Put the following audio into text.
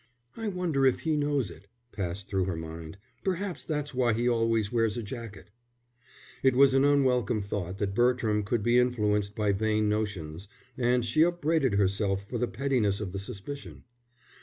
"I wonder if he knows it," passed through her mind. "Perhaps that's why he always wears a jacket." It was an unwelcome thought that Bertram could be influenced by vain notions, and she upbraided herself for the pettiness of the suspicion.